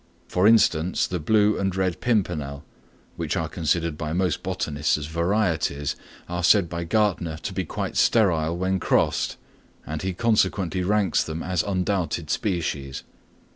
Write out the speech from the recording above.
For instance, the blue and red pimpernel, which are considered by most botanists as varieties, are said by Gärtner to be quite sterile when crossed, and he consequently ranks them as undoubted species.